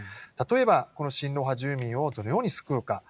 例えばこの親ロ派住民をどのように救うか。